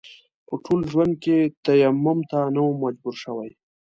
په ټول ژوند کې تيمم ته نه وم مجبور شوی.